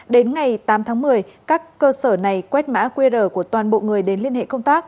đến ngày tám tháng một mươi các cơ sở này quét mã qr của toàn bộ người đến liên hệ công tác